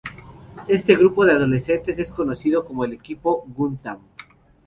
Este grupo de adolescentes es conocido como el "Equipo Gundam".